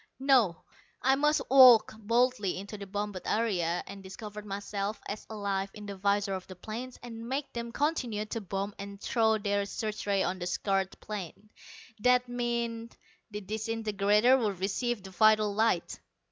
No, I must walk boldly into the bombed area and discover myself as alive in the visors of the planes and make them continue to bomb and throw their search rays on the scarred plain. That meant the disintegrator would receive the vital light.